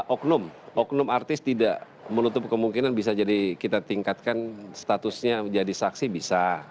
oknum oknum artis tidak menutup kemungkinan bisa jadi kita tingkatkan statusnya menjadi saksi bisa